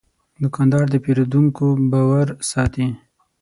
دوکاندار د پیرودونکو باور ساتي.